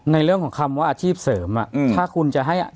ในเรื่องของคำว่าอาชีพเสริมถ้าคุณจะให้อ่ะ